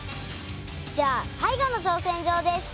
じゃあ最後の挑戦状です。